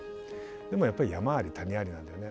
でもやっぱり「山あり谷あり」なんだよね。